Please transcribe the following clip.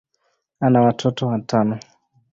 ana watoto watano.